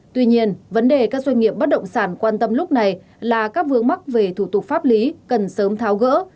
tuy nhiên vấn đề các doanh nghiệp bất động sản quan tâm lúc này là các vướng mắc về thủ tục pháp lý cần sớm tháo gỡ